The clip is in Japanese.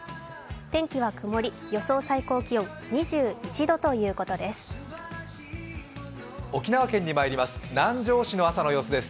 天気は曇り、予想最高気温２１度ということです。